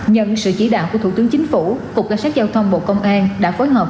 nhận sự chỉ đạo của thủ tướng chính phủ cục cảnh sát giao thông bộ công an đã phối hợp